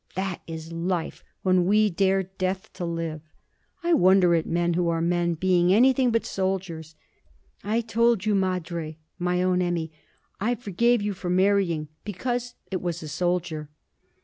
That is life when we dare death to live! I wonder at men, who are men, being anything but soldiers! I told you, madre, my own Emmy, I forgave you for marrying, because it was a soldier.'